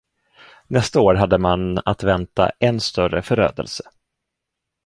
Nästa år hade man att vänta än större förödelse.